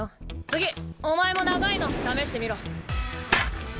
次お前も長いの試してみろ。